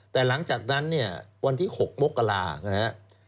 แต่หลังจากนั้นเนี่ยวันที่๖มกรานะครับ